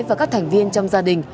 và các thành viên trong gia đình